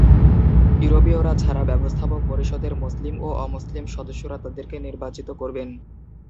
ইউরোপীয়রা ছাড়া ব্যবস্থাপক পরিষদের মুসলিম ও অমুসলিম সদস্যরা তাদেরকে নির্বাচিত করবেন।